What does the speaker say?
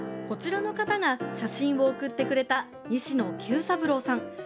こちらの方が写真を送ってくれた西野久三郎さん。